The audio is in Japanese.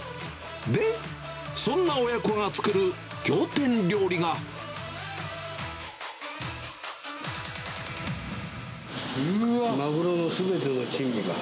で、そんな親子が作る仰天料理が。